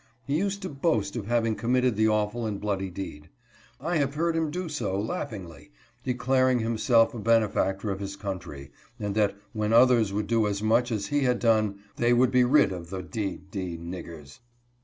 He used to boast of having committed the awful and bloody deed. I have heard him do so laughingly, declaring himself a benefactor of his country and that " when others would do as much as he had done, they would be rid of the d d niggers."